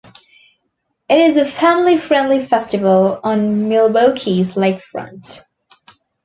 It is a family friendly festival on Milwaukee's lakefront.